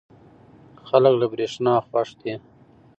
خلک له برېښنا خوښ دي.